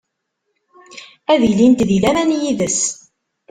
Ad ilint di laman yid-s.